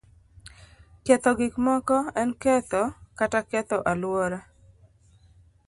Ketho gik moko en ketho kata ketho alwora.